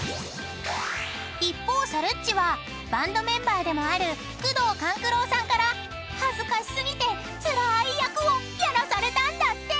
［一方さるっちはバンドメンバーでもある宮藤官九郎さんから恥ずかし過ぎてつらーい役をやらされたんだって！］